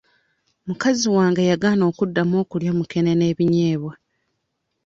Mukazi wange yagaana okuddamu okulya mukene n'ebinyeebwa.